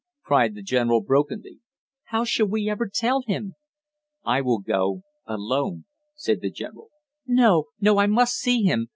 cried the general brokenly. "How shall we ever tell him!" "I will go alone," said the general. "No, no I must see him!